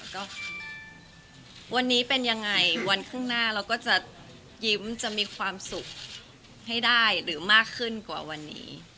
ก็วันนี้เป็นยังไงวันข้างหน้าเราก็จะยิ้มจะมีความสุขให้ได้หรือมากขึ้นกว่าวันนี้